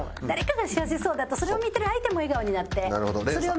誰かが幸せそうだとそれを見てる相手も笑顔になって。